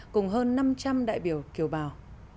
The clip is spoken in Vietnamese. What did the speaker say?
cùng hơn năm trăm linh đại biểu kiều bào